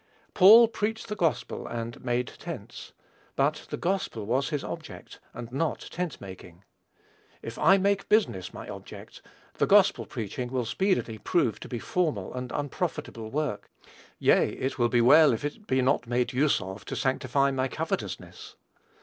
Paul preached the gospel and made tents; but the gospel was his object, and not tent making. If I make business my object, the gospel preaching will speedily prove to be formal and unprofitable work; yea, it will be well if it be not made use of to sanctify my covetousness.